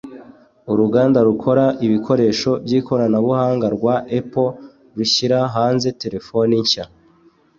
uruganda rukora ibikoresho by’ikoranabuhanga rwa Apple rushyira hanze telefoni nshya